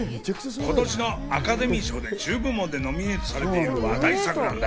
今年のアカデミー賞で１０部門でノミネートされている話題作なんだ。